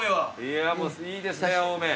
いやもういいですね青梅。